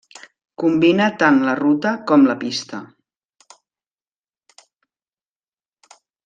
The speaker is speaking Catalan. Combina tant la ruta com la pista.